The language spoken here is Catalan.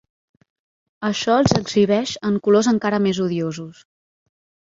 Això els exhibeix en colors encara més odiosos.